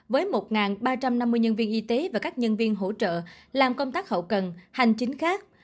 với một ba trăm năm mươi nhân viên y tế và các nhân viên hỗ trợ làm công tác hậu cần hành chính khác